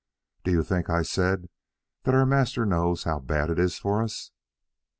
"Do you think," I said, "that our masters know how bad it is for us?"